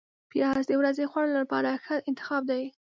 پیاز د ورځې خوړلو لپاره ښه انتخاب دی